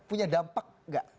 punya dampak nggak